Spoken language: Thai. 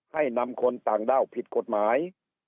ให้นำคนต่างด้าวผิดกฎหมาย